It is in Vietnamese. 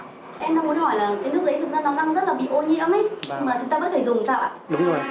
em đang muốn hỏi là cái nước đấy thực ra nó đang rất là bị ô nhiễm ý